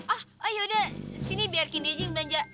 oh ya udah sini biarkan dia aja yang belanja